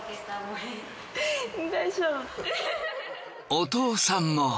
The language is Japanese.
お父さんも。